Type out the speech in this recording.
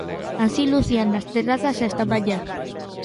Así lucían as terrazas esta mañá.